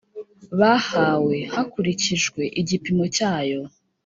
bahawe hakurikijwe igipimo cy ayo